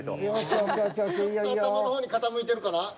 頭の方に傾いてるかな？